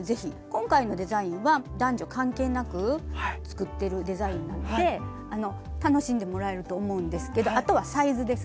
今回のデザインは男女関係なく作ってるデザインなので楽しんでもらえると思うんですけどあとはサイズですね。